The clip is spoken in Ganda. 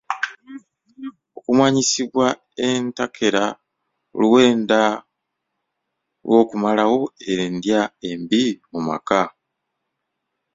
Okumanyisibwa entakera luwenda lw'okumalawo endya embi mu maka.